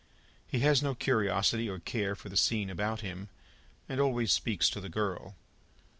He has no curiosity or care for the scene about him, and always speaks to the girl.